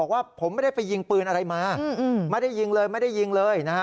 ว่าผมไม่ได้ไปยิงปืนอะไรมาไม่ได้ยิงเลยไม่ได้ยิงเลยนะฮะ